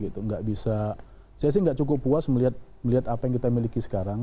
saya sih nggak cukup puas melihat apa yang kita miliki sekarang